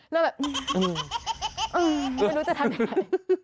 เริ่มแบบเออไม่รู้จะทำอะไร